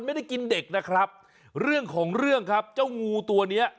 ไม่ได้กินเด็กนะครับเรื่องของเรื่องครับเจ้างูตัวเนี้ย